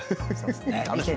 楽しみ。